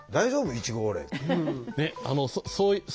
いちごオ・レって。